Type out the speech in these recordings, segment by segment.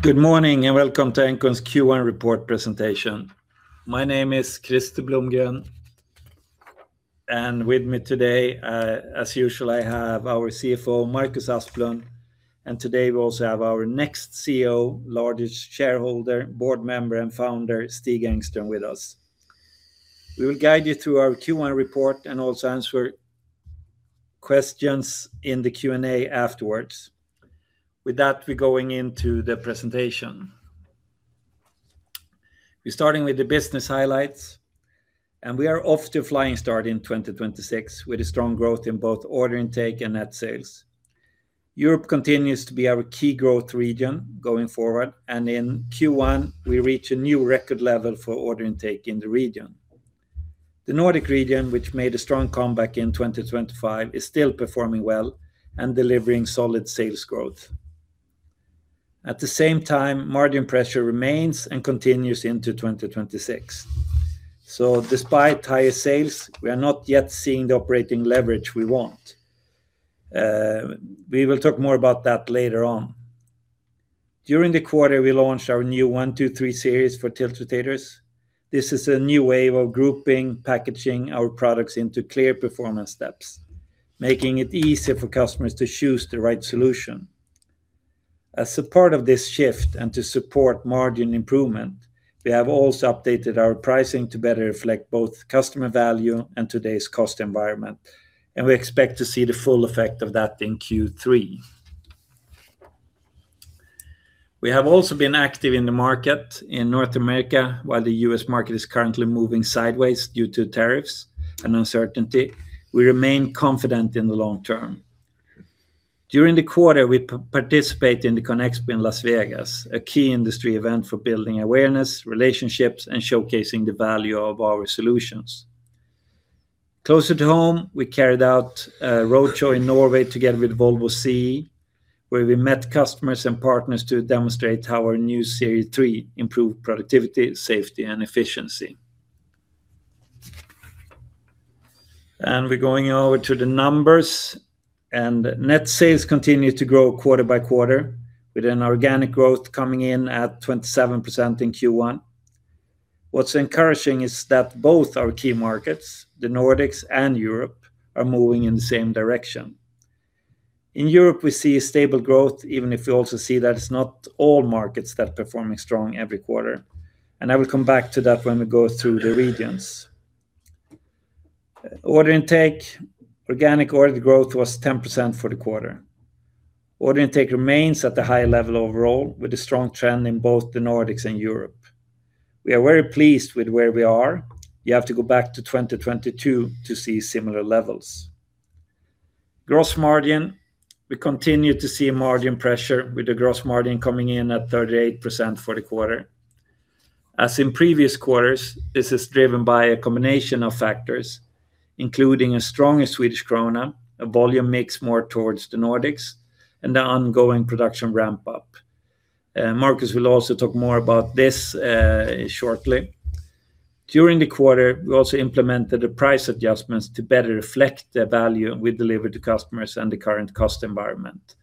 Good morning. Welcome to engcon's Q1 report presentation. My name is Krister Blomgren, and with me today, as usual, I have our CFO, Marcus Asplund, and today we also have our next CEO, largest shareholder, board member, and founder, Stig Engström, with us. We will guide you through our Q1 report and also answer questions in the Q&A afterwards. With that, we're going into the presentation. We're starting with the business highlights, and we are off to a flying start in 2026 with a strong growth in both order intake and net sales. Europe continues to be our key growth region going forward, and in Q1, we reach a new record level for order intake in the region. The Nordic region, which made a strong comeback in 2025, is still performing well and delivering solid sales growth. At the same time, margin pressure remains and continues into 2026. Despite higher sales, we are not yet seeing the operating leverage we want. We will talk more about that later on. During the quarter, we launched our new 1-2-3 Series for tiltrotators. This is a new way of grouping, packaging our products into clear performance steps, making it easier for customers to choose the right solution. As a part of this shift and to support margin improvement, we have also updated our pricing to better reflect both customer value and today's cost environment, and we expect to see the full effect of that in Q3. We have also been active in the market in North America. While the U.S. market is currently moving sideways due to tariffs and uncertainty, we remain confident in the long term. During the quarter, we participate in the CONEXPO in Las Vegas, a key industry event for building awareness, relationships, and showcasing the value of our solutions. Closer to home, we carried out a roadshow in Norway together with Volvo CE, where we met customers and partners to demonstrate how our new Series 3 improved productivity, safety, and efficiency. And we're going over to the numbers. And net sales continue to grow quarter by quarter with an organic growth coming in at 27% in Q1. What's encouraging is that both our key markets, the Nordics and Europe, are moving in the same direction. In Europe, we see a stable growth, even if we also see that it's not all markets that are performing strong every quarter. And I will come back to that when we go through the regions. Order intake, organic order growth was 10% for the quarter. Order intake remains at a high level overall with a strong trend in both the Nordics and Europe. We are very pleased with where we are. You have to go back to 2022 to see similar levels. Gross margin, we continue to see margin pressure with the gross margin coming in at 38% for the quarter. As in previous quarters, this is driven by a combination of factors, including a stronger Swedish krona, a volume mix more towards the Nordics, and the ongoing production ramp-up. And Marcus will also talk more about this shortly. During the quarter, we also implemented the price adjustments to better reflect the value we deliver to customers and the current cost environment.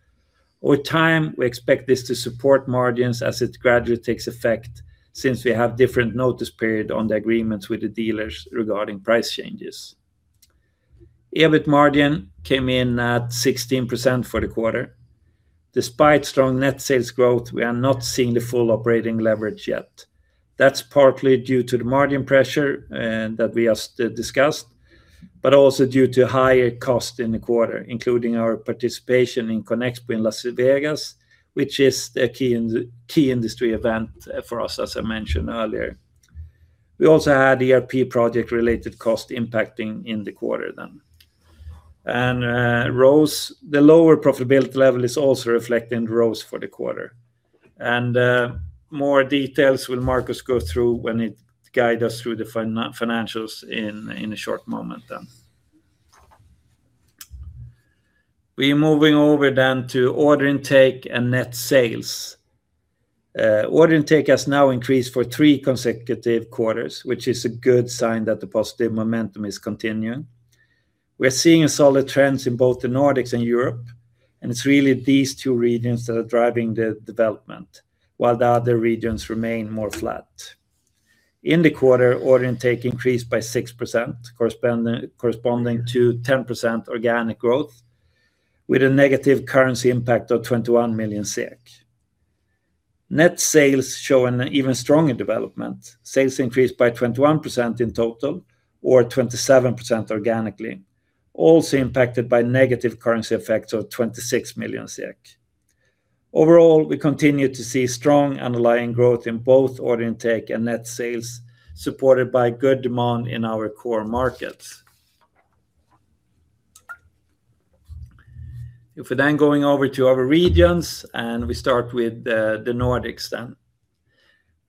Over time, we expect this to support margins as it gradually takes effect since we have different notice period on the agreements with the dealers regarding price changes. EBIT margin came in at 16% for the quarter. Despite strong net sales growth, we are not seeing the full operating leverage yet. That's partly due to the margin pressure that we just discussed, but also due to higher cost in the quarter, including our participation in CONEXPO in Las Vegas, which is a key industry event for us, as I mentioned earlier. We also had ERP project-related cost impacting in the quarter then. And ROCE, the lower profitability level is also reflecting ROCE for the quarter. More details will Marcus go through when he guide us through the financials in a short moment then. We're moving over then to order intake and net sales. Order intake has now increased for three consecutive quarters, which is a good sign that the positive momentum is continuing. We're seeing solid trends in both the Nordics and Europe, and it's really these two regions that are driving the development, while the other regions remain more flat. In the quarter, order intake increased by 6%, corresponding to 10% organic growth, with a negative currency impact of 21 million SEK. Net sales show an even stronger development. Sales increased by 21% in total or 27% organically, also impacted by negative currency effects of 26 million. Overall, we continue to see strong underlying growth in both order intake and net sales, supported by good demand in our core markets. If we're then going over to our regions, and we start with the Nordics then.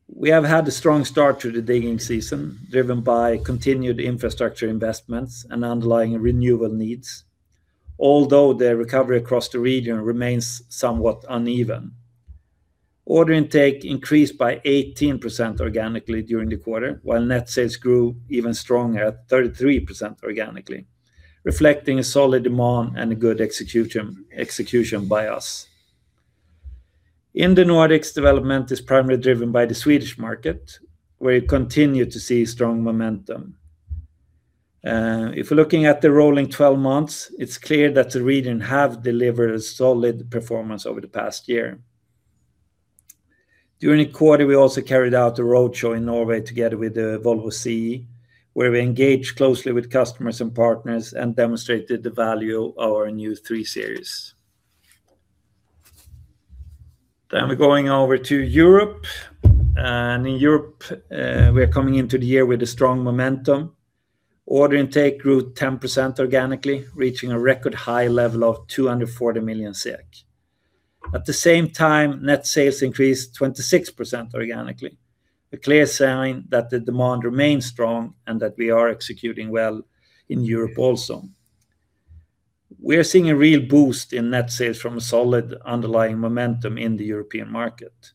We have had a strong start to the digging season, driven by continued infrastructure investments and underlying renewal needs, although the recovery across the region remains somewhat uneven. Order intake increased by 18% organically during the quarter, while net sales grew even stronger at 33% organically, reflecting a solid demand and a good execution by us. In the Nordics, development is primarily driven by the Swedish market, where we continue to see strong momentum. If we're looking at the rolling 12 months, it's clear that the region have delivered a solid performance over the past year. During the quarter, we also carried out a roadshow in Norway together with the Volvo CE, where we engaged closely with customers and partners, and demonstrated the value of our new three Series. We're going over to Europe. In Europe, we are coming into the year with a strong momentum. Order intake grew 10% organically, reaching a record high level of 240 million SEK. At the same time, net sales increased 26% organically, a clear sign that the demand remains strong, and that we are executing well in Europe also. We are seeing a real boost in net sales from a solid underlying momentum in the European market.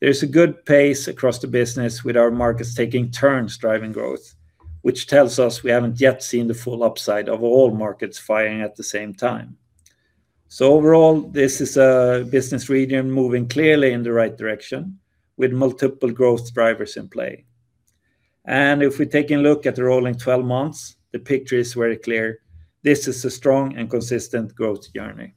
There's a good pace across the business with our markets taking turns driving growth, which tells us we haven't yet seen the full upside of all markets firing at the same time. Overall, this is a business region moving clearly in the right direction with multiple growth drivers in play. And If we take a look at the rolling 12 months, the picture is very clear. This is a strong and consistent growth journey.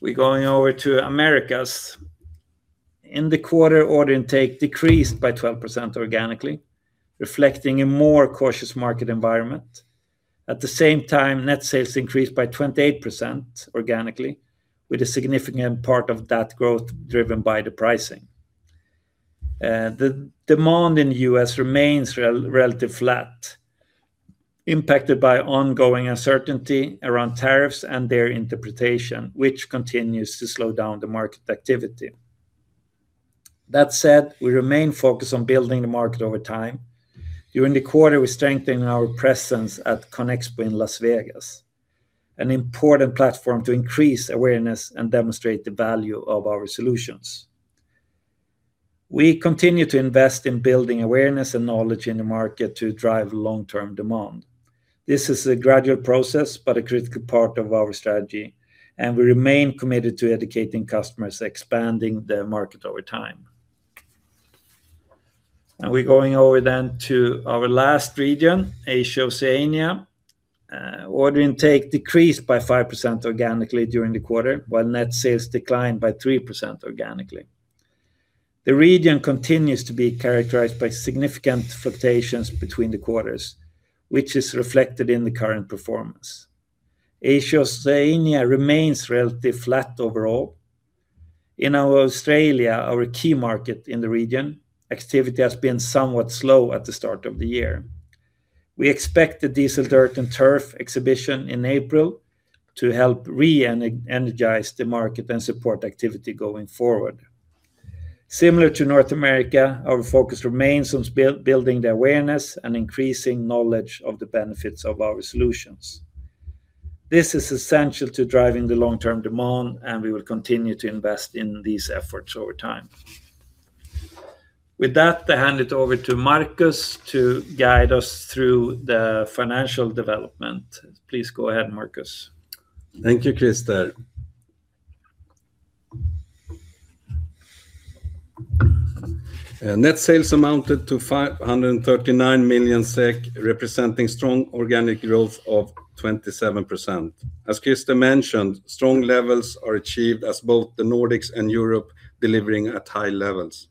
We're going over to Americas. In the quarter, order intake decreased by 12% organically, reflecting a more cautious market environment. At the same time, net sales increased by 28% organically, with a significant part of that growth driven by the pricing. The demand in the U.S. remains relatively flat, impacted by ongoing uncertainty around tariffs and their interpretation, which continues to slow down the market activity. That said, we remain focused on building the market over time. During the quarter, we strengthened our presence at CONEXPO in Las Vegas, an important platform to increase awareness and demonstrate the value of our solutions. We continue to invest in building awareness and knowledge in the market to drive long-term demand. This is a gradual process, but a critical part of our strategy, and we remain committed to educating customers, expanding the market over time. We're going over then to our last region, Asia-Oceania. Order intake decreased by 5% organically during the quarter, while net sales declined by 3% organically. The region continues to be characterized by significant fluctuations between the quarters, which is reflected in the current performance. Asia-Oceania remains relatively flat overall. In our Australia, our key market in the region, activity has been somewhat slow at the start of the year. We expect The Diesel Dirt & Turf Exhibition in April to help energize the market and support activity going forward. Similar to North America, our focus remains on building the awareness and increasing knowledge of the benefits of our solutions. This is essential to driving the long-term demand, and we will continue to invest in these efforts over time. With that, I hand it over to Marcus to guide us through the financial development. Please go ahead, Marcus. Thank you, Krister. Net sales amounted to 539 million SEK, representing strong organic growth of 27%. As Krister mentioned, strong levels are achieved as both the Nordics and Europe delivering at high levels.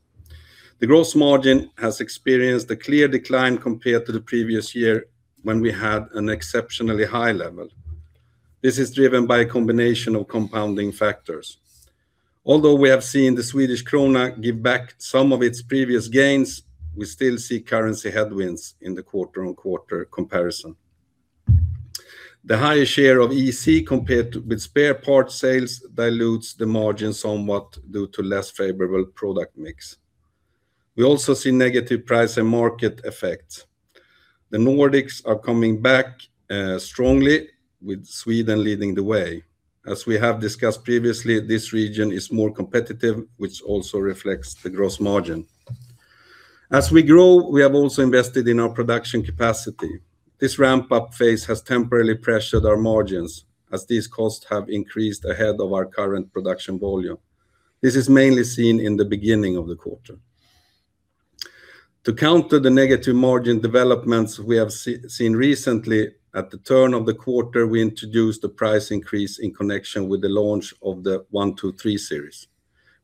The gross margin has experienced a clear decline compared to the previous year when we had an exceptionally high level. This is driven by a combination of compounding factors. Although we have seen the Swedish krona give back some of its previous gains, we still see currency headwinds in the quarter-on-quarter comparison. The higher share of EC compared with spare parts sales dilutes the margin somewhat due to less favorable product mix. We also see negative price and market effects. The Nordics are coming back strongly with Sweden leading the way. As we have discussed previously, this region is more competitive, which also reflects the gross margin. As we grow, we have also invested in our production capacity. This ramp-up phase has temporarily pressured our margins, as these costs have increased ahead of our current production volume. This is mainly seen in the beginning of the quarter. To counter the negative margin developments we have seen recently, at the turn of the quarter, we introduced a price increase in connection with the launch of the 1-2-3 Series.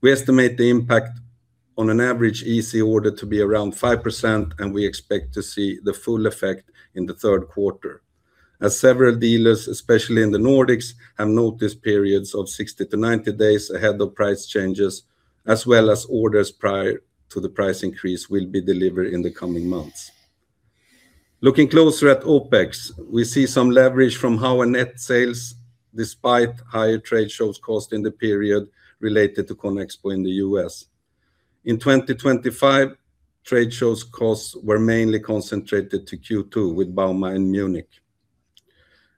We estimate the impact on an average EC order to be around 5%, and we expect to see the full effect in the third quarter. As several dealers, especially in the Nordics, have noticed periods of 60-90 days ahead of price changes, as well as orders prior to the price increase will be delivered in the coming months. Looking closer at OpEx, we see some leverage from our net sales despite higher trade show costs in the period related to CONEXPO in the U.S. In 2025, trade show costs were mainly concentrated to Q2 with bauma in Munich.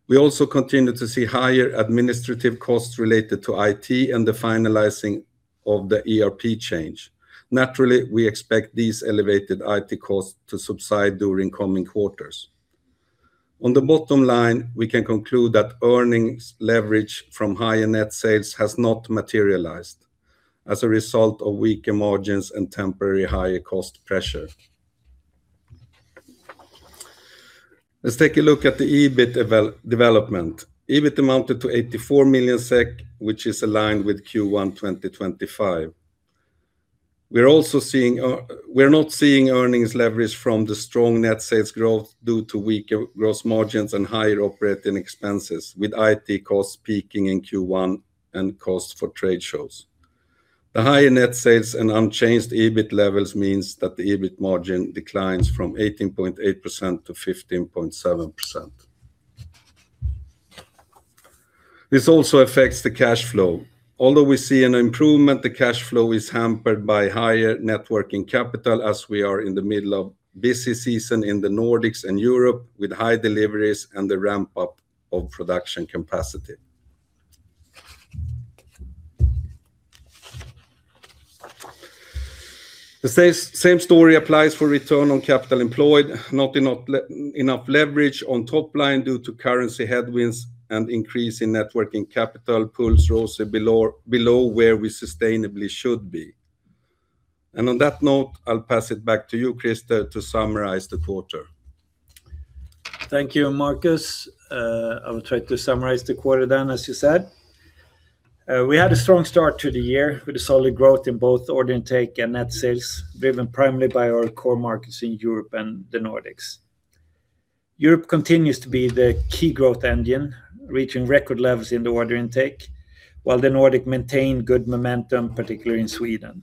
We also continue to see higher administrative costs related to IT and the finalizing of the ERP change. Naturally, we expect these elevated IT costs to subside during coming quarters. On the bottom line, we can conclude that earnings leverage from higher net sales has not materialized as a result of weaker margins and temporary higher cost pressure. Let's take a look at the EBIT development. EBIT amounted to 84 million SEK, which is aligned with Q1 2025. We're also seeing, we're not seeing earnings leverage from the strong net sales growth due to weaker gross margins and higher operating expenses, with IT costs peaking in Q1 and costs for trade shows. The higher net sales and unchanged EBIT levels means that the EBIT margin declines from 18.8% to 15.7%. This also affects the cash flow. Although we see an improvement, the cash flow is hampered by higher net working capital as we are in the middle of busy season in the Nordics and Europe, with high deliveries and the ramp up of production capacity. The same story applies for return on capital employed, not enough leverage on top line due to currency headwinds and increase in net working capital pulls ROCE below where we sustainably should be. On that note, I'll pass it back to you, Krister, to summarize the quarter. Thank you, Marcus. I will try to summarize the quarter then, as you said. We had a strong start to the year with a solid growth in both order intake and net sales, driven primarily by our core markets in Europe and the Nordics. Europe continues to be the key growth engine, reaching record levels in the order intake, while the Nordics maintained good momentum, particularly in Sweden.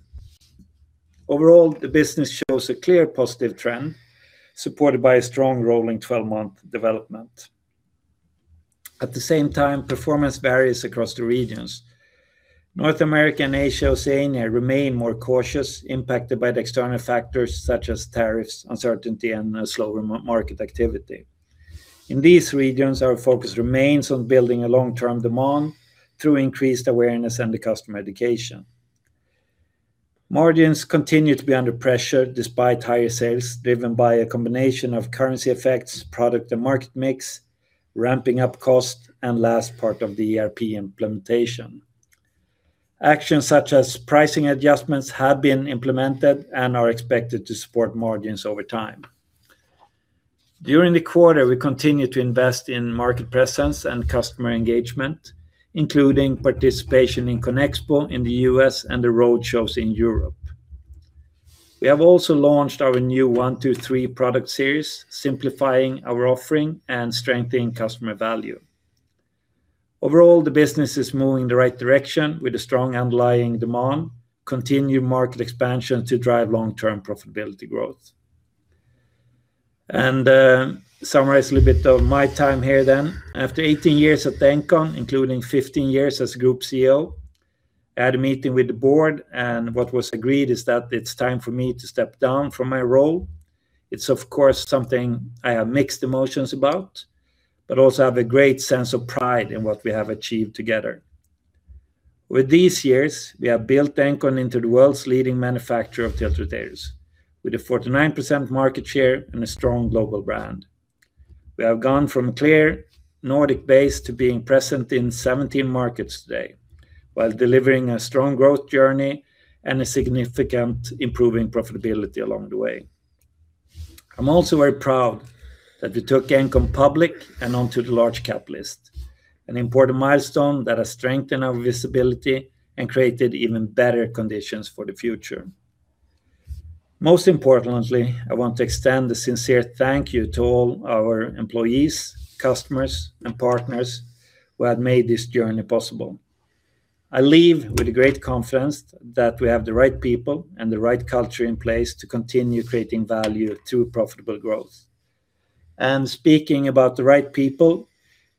Overall, the business shows a clear positive trend, supported by a strong rolling 12-month development. At the same time, performance varies across the regions. North America and Asia-Oceania remain more cautious, impacted by the external factors such as tariffs, uncertainty, and slower market activity. In these regions, our focus remains on building a long-term demand through increased awareness and the customer education. Margins continue to be under pressure despite higher sales, driven by a combination of currency effects, product and market mix, ramping up cost, and last part of the ERP implementation. Actions such as pricing adjustments have been implemented and are expected to support margins over time. During the quarter, we continue to invest in market presence and customer engagement, including participation in CONEXPO in the U.S. and the road shows in Europe. We have also launched our new 1-2-3 product Series, simplifying our offering and strengthening customer value. Overall, the business is moving the right direction with a strong underlying demand, continued market expansion to drive long-term profitability growth. And summarize a little bit of my time here then. After 18 years at engcon, including 15 years as Group CEO, I had a meeting with the board, what was agreed is that it's time for me to step down from my role. It's, of course, something I have mixed emotions about, also have a great sense of pride in what we have achieved together. With these years, we have built engcon into the world's leading manufacturer of tiltrotators, with a 49% market share and a strong global brand. We have gone from a clear Nordic base to being present in 17 markets today, while delivering a strong growth journey and a significant improving profitability along the way. I'm also very proud that we took engcon public and onto the Large Cap list, an important milestone that has strengthened our visibility and created even better conditions for the future. Most importantly, I want to extend a sincere thank you to all our employees, customers, and partners who have made this journey possible. I leave with a great confidence that we have the right people and the right culture in place to continue creating value through profitable growth. Speaking about the right people,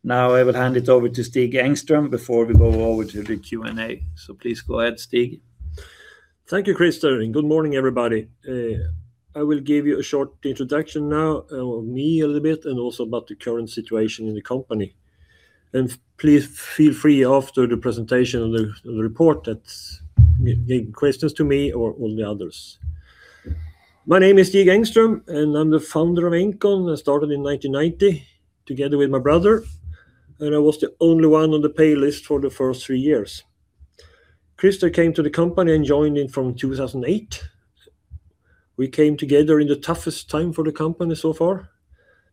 now I will hand it over to Stig Engström before we go over to the Q&A. Please go ahead, Stig. Thank you, Krister, good morning, everybody. I will give you a short introduction now of me a little bit about the current situation in the company. Please feel free after the presentation of the report that give questions to me or all the others. My name is Stig Engström, and I'm the founder of engcon. I started in 1990 together with my brother, and I was the only one on the pay list for the first three years. Krister came to the company and joined in from 2008. We came together in the toughest time for the company so far.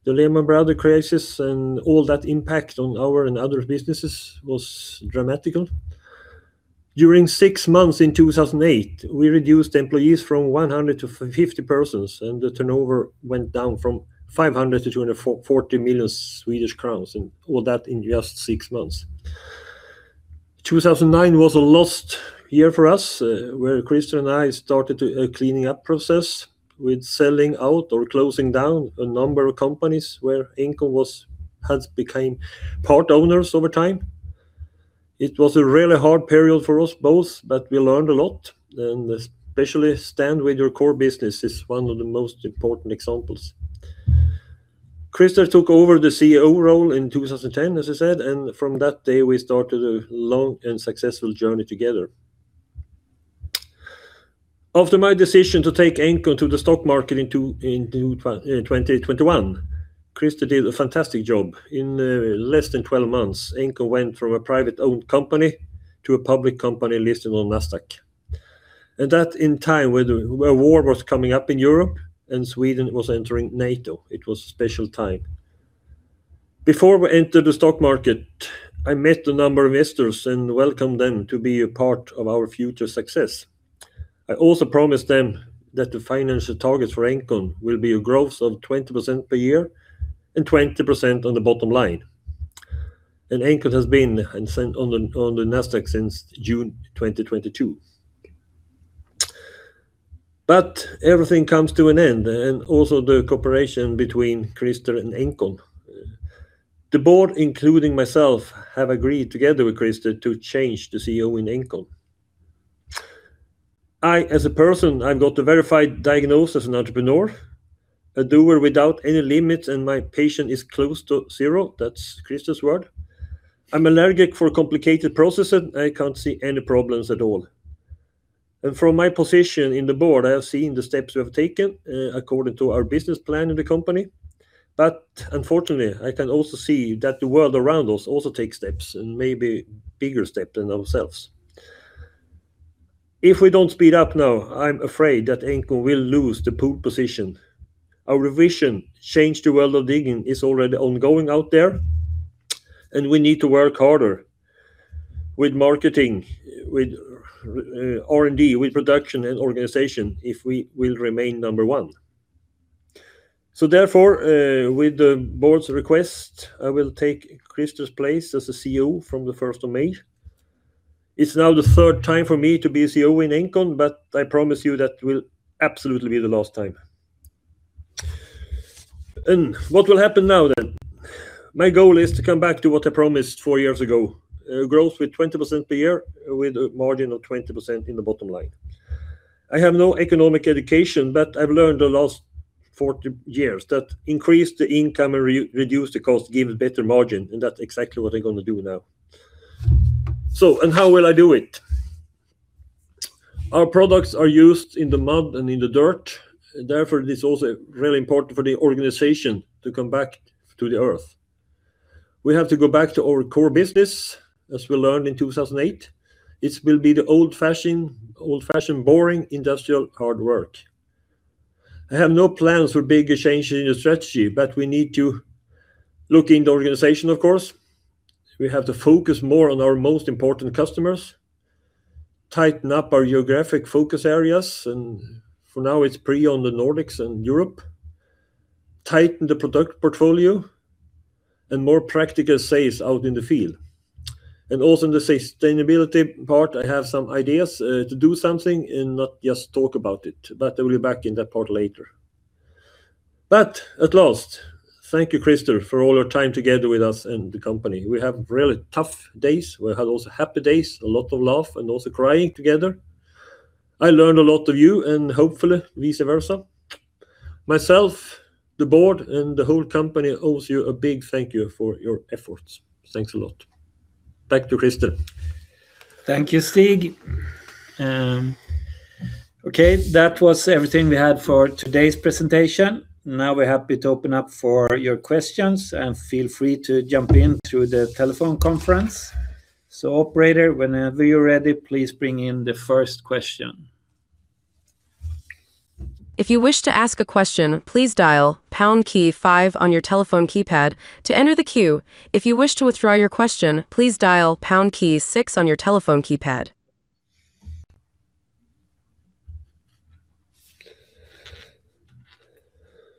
The Lehman Brothers crisis and all that impact on our and other businesses was dramatical. During six months in 2008, we reduced employees from 100 to 50 persons, and the turnover went down from 500 million to 240 million Swedish crowns, and all that in just six months. 2009 was a lost year for us, where Krister and I started a cleaning up process with selling out or closing down a number of companies where engcon had become part owners over time. It was a really hard period for us both, but we learned a lot, and especially stand with your core business is one of the most important examples. Krister took over the CEO role in 2010, as I said, and from that day, we started a long and successful journey together. After my decision to take engcon to the stock market in 2021, Krister did a fantastic job. In less than 12 months, engcon went from a private-owned company to a public company listed on Nasdaq. That in time where war was coming up in Europe and Sweden was entering NATO. It was a special time. Before we entered the stock market, I met a number of investors and welcomed them to be a part of our future success. I also promised them that the financial targets for engcon will be a growth of 20% per year and 20% on the bottom line. engcon has been on the Nasdaq since June 2022. But everything comes to an end, and also the cooperation between Krister and engcon. The board, including myself, have agreed together with Krister to change the CEO in engcon. I, as a person, I've got a verified diagnosis as an entrepreneur, a doer without any limits, and my patience is close to zero. That's Krister's word. I'm allergic for complicated processes. I can't see any problems at all. From my position in the board, I have seen the steps we have taken according to our business plan in the company. Unfortunately, I can also see that the world around us also takes steps and maybe bigger steps than ourselves. If we don't speed up now, I'm afraid that engcon will lose the pole position. Our revision, Change the World of Digging, is already ongoing out there, and we need to work harder with marketing, with R&D, with production, and organization if we will remain number one. Therefore, with the board's request, I will take Krister's place as the CEO from the first of May. It's now the third time for me to be CEO in engcon. I promise you that will absolutely be the last time. What will happen now then? My goal is to come back to what I promised four years ago, growth with 20% per year with a margin of 20% in the bottom line. I have no economic education. I've learned the last 40 years that increase the income and reduce the cost gives better margin. That's exactly what I'm gonna do now. How will I do it? Our products are used in the mud and in the dirt. Therefore, it is also really important for the organization to come back to the earth. We have to go back to our core business, as we learned in 2008. It will be the old-fashioned, boring, industrial hard work. I have no plans for bigger changes in the strategy, we need to look in the organization, of course. We have to focus more on our most important customers, tighten up our geographic focus areas, for now, it's pre on the Nordics and Europe, tighten the product portfolio, more practical sales out in the field. Also in the sustainability part, I have some ideas to do something and not just talk about it. I will be back in that part later. At last, thank you, Krister, for all your time together with us and the company. We have really tough days. We had also happy days, a lot of laugh and also crying together. I learned a lot of you and hopefully vice versa. Myself, the board, and the whole company owes you a big thank you for your efforts. Thanks a lot. Back to Krister. Thank you, Stig. Okay, that was everything we had for today's presentation. Now we're happy to open up for your questions, and feel free to jump in through the telephone conference. Operator, whenever you're ready, please bring in the first question. If you wish to ask a question, please dial pound key, five on your telephone keypad to enter the queue. If you wish to withdraw your question, please dial pound key, six on your telephone keypad.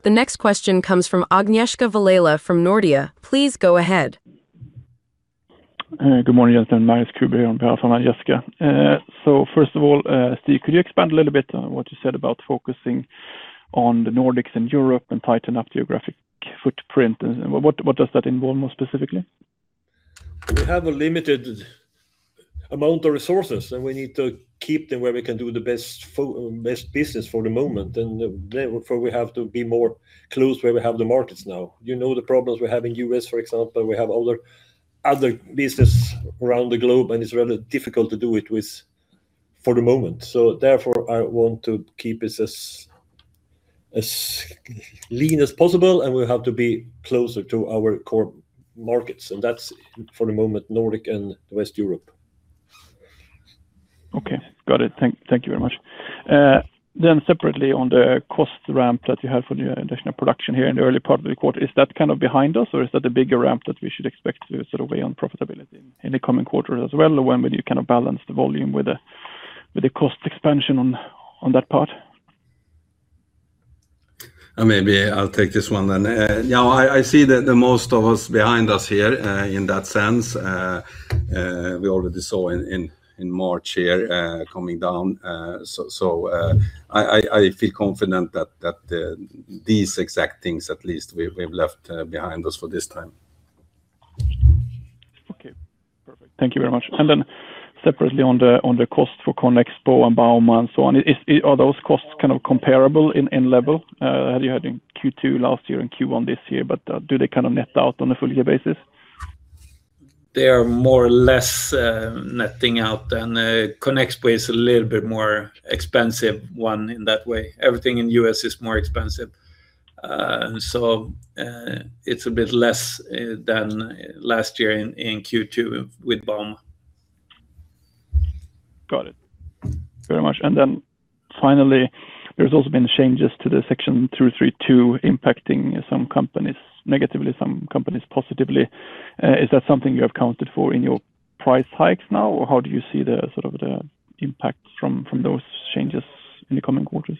The next question comes from Agnieszka Vilela from Nordea. Please go ahead. Good morning, gentlemen. Agnieszka. First of all, Stig, could you expand a little bit on what you said about focusing on the Nordics and Europe and tighten up geographic footprint? What, what does that involve more specifically? We have a limited amount of resources, and we need to keep them where we can do the best business for the moment. Therefore, we have to be more close where we have the markets now. You know the problems we have in U.S., for example. We have other business around the globe, and it's rather difficult to do it with for the moment. Therefore, I want to keep us as lean as possible, and we have to be closer to our core markets. That's, for the moment, Nordic and West Europe. Okay. Got it. Thank you very much. Then separately, on the cost ramp that you have for your additional production here in the early part of the quarter, is that kind of behind us, or is that a bigger ramp that we should expect to sort of weigh on profitability in the coming quarters as well? When will you kind of balance the volume with the cost expansion on that part? Maybe I'll take this one then. Yeah, I see that the most of us behind us here, in that sense. We already saw in March here, coming down. I feel confident that these exact things at least we've left behind us for this time. Okay. Perfect. Thank you very much. Separately on the, on the cost for CONEXPO and bauma and so on, are those costs kind of comparable in level? As you had in Q2 last year and Q1 this year, do they kind of net out on a full year basis? They are more or less netting out. CONEXPO is a little bit more expensive one in that way. Everything in U.S. is more expensive. It's a bit less than last year in Q2 with bauma. Got it. Very much. Then finally, there's also been changes to the Section 232 impacting some companies negatively, some companies positively. Is that something you have accounted for in your price hikes now, or how do you see the, sort of the impact from those changes in the coming quarters?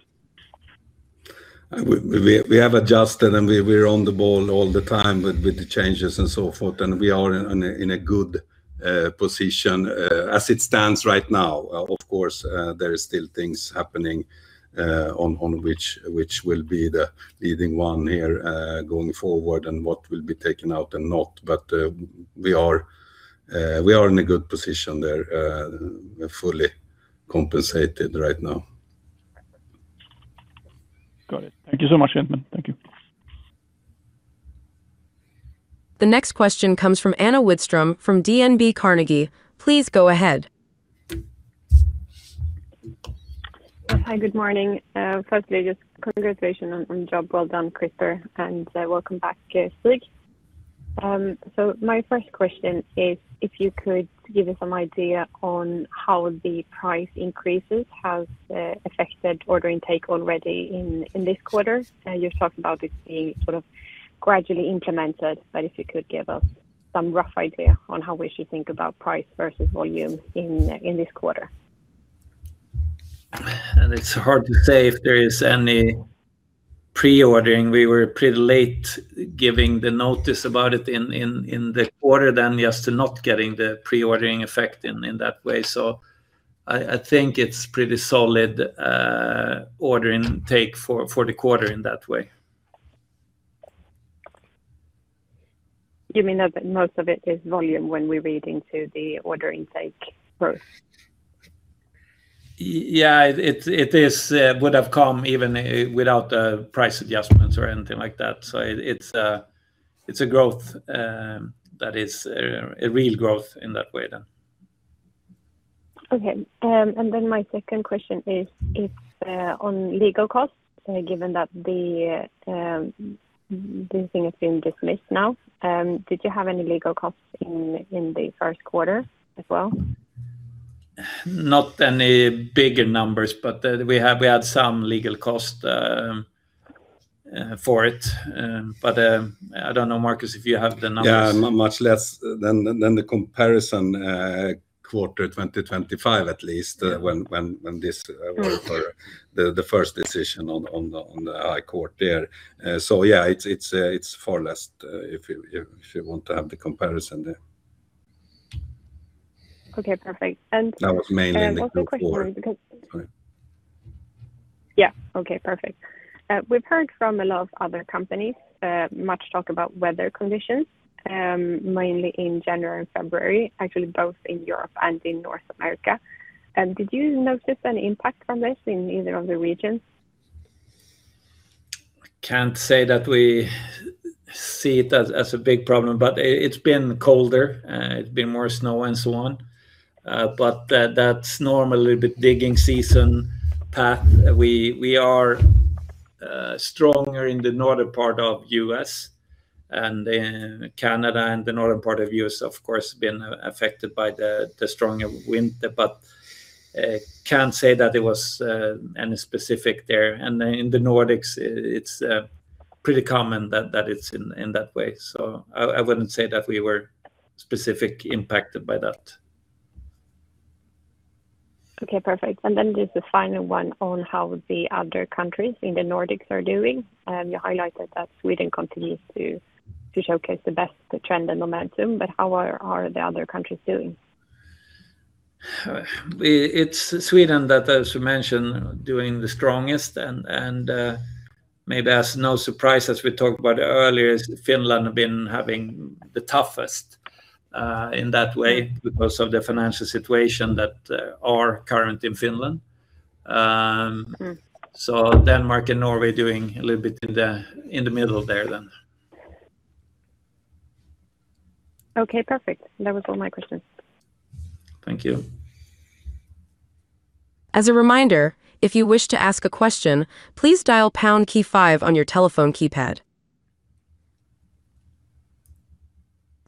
We have adjusted, we're on the ball all the time with the changes and so forth, and we are in a good position as it stands right now. Of course, there is still things happening on which will be the leading one here going forward and what will be taken out and not. We are in a good position there, fully compensated right now. Got it. Thank you so much, gentlemen. Thank you. The next question comes from Anna Widström from DNB Carnegie. Please go ahead. Hi, good morning. Firstly, just congratulations on a job well done, Krister, and welcome back, Stig. My first question is if you could give us some idea on how the price increases has affected order intake already in this quarter? You're talking about it being sort of gradually implemented, but if you could give us some rough idea on how we should think about price versus volume in this quarter. It's hard to say if there is any pre-ordering. We were pretty late giving the notice about it in the quarter than just not getting the pre-ordering effect in that way. I think it's pretty solid order intake for the quarter in that way. You mean that most of it is volume when we read into the order intake growth? Yeah, it is would have come even without the price adjustments or anything like that. It's a growth that is a real growth in that way then. Okay. My second question is on legal costs, given that this thing has been dismissed now, did you have any legal costs in the first quarter as well? Not any bigger numbers, but we had some legal cost for it. I don't know, Marcus, if you have the numbers. Yeah. Much less than the comparison, quarter 2025, at least, when this were for the first decision on the high court there. Yeah, it's far less, if you want to have the comparison there. Okay, perfect. That was mainly the fourth quarter. One more question. Sorry. Yeah. Okay, perfect. We've heard from a lot of other companies, much talk about weather conditions, mainly in January and February, actually, both in Europe and in North America. Did you notice any impact from this in either of the regions? I can't say that we see it as a big problem, but it's been colder. It's been more snow and so on. But that's normally the digging season path. We are stronger in the northern part of U.S. and in Canada, and the northern part of U.S., of course, been affected by the stronger winter, but can't say that it was any specific there. In the Nordics, it's pretty common that it's in that way. I wouldn't say that we were specific impacted by that. Okay, perfect. Then just the final one on how the other countries in the Nordics are doing. You highlighted that Sweden continues to showcase the best trend and momentum. How are the other countries doing? It's Sweden that, as you mentioned, doing the strongest and, maybe as no surprise, as we talked about earlier, is Finland have been having the toughest, in that way because of the financial situation that, are current in Finland. Mm. Denmark and Norway doing a little bit in the middle there. Okay, perfect. That was all my questions. Thank you.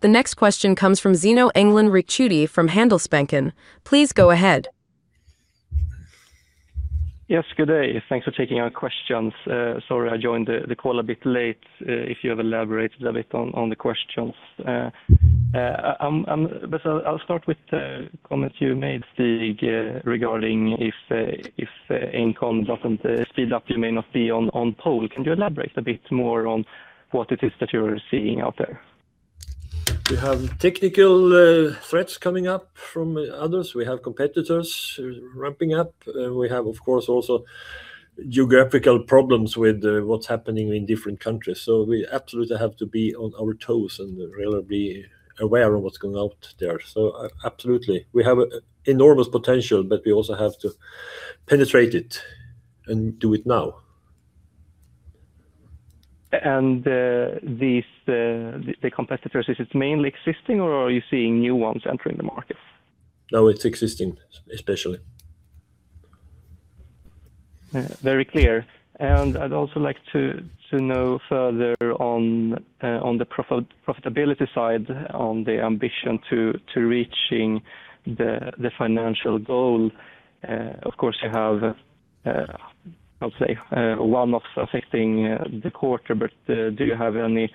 The next question comes from Zino Engdalen Ricciuti from Handelsbanken. Please go ahead. Yes, good day. Thanks for taking our questions. Sorry I joined the call a bit late, if you have elaborated a bit on the questions. I'll start with the comments you made, Stig, regarding if engcon doesn't speed up, you may not be on pole. Can you elaborate a bit more on what it is that you're seeing out there? We have technical threats coming up from others. We have competitors ramping up. We have, of course, also geographical problems with what's happening in different countries. We absolutely have to be on our toes and really be aware of what's going out there. Absolutely, we have enormous potential, but we also have to penetrate it and do it now. These, the competitors, is it mainly existing or are you seeing new ones entering the market? No, it's existing especially. Very clear. I'd also like to know further on the profitability side, on the ambition to reaching the financial goal. Of course, you have, I'll say, one-offs affecting the quarter, but, do you have any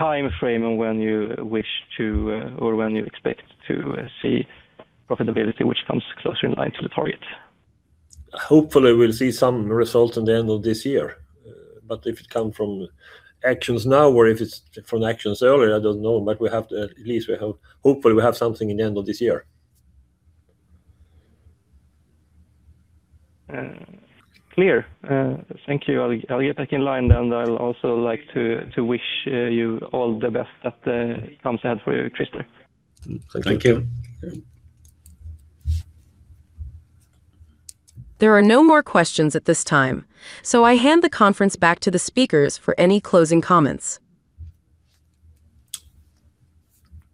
timeframe on when you wish to, or when you expect to see profitability which comes closer in line to the target? Hopefully, we'll see some results at the end of this year. If it comes from actions now or if it's from actions earlier, I don't know. Hopefully, we have something in the end of this year. Clear. Thank you. I'll get back in line then. I'll also like to wish you all the best at Thompson for you, Krister. Thank you. Thank you. There are no more questions at this time, so I hand the conference back to the speakers for any closing comments.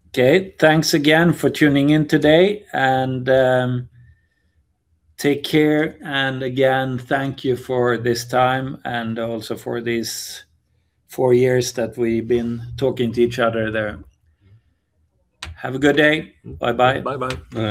Okay. Thanks again for tuning in today, and take care. Again, thank you for this time and also for these four years that we've been talking to each other there. Have a good day. Bye-bye. Bye-bye. Bye.